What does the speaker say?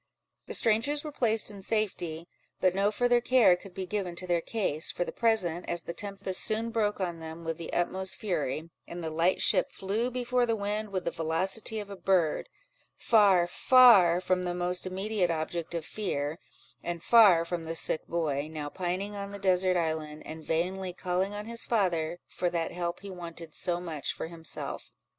The strangers were placed in safety, but no farther care could be given to their case, for the present, as the tempest soon broke on them with the utmost fury, and the light ship flew before the wind with the velocity of a bird, far, far from the more immediate object of fear, and far from the sick boy, now pining on the desert island, and vainly calling on his father for that help he wanted so much for himself.